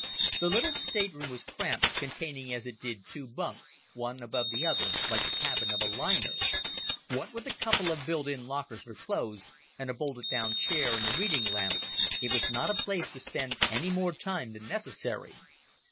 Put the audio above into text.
The little stateroom was cramped, containing as it did two bunks, one above the other, like the cabin of a liner. What with a couple of built in lockers for clothes, and a bolted down chair and a reading lamp, it was not a place to spend any more time than necessary.